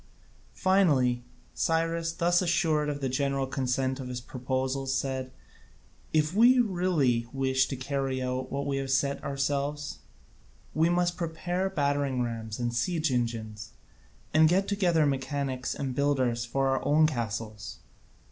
Finally Cyrus, thus assured of the general consent to his proposals, said, "If we really wish to carry out what we have set ourselves, we must prepare battering rams and siege engines, and get together mechanics and builders for our own castles."